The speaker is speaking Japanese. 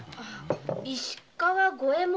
石川五右衛門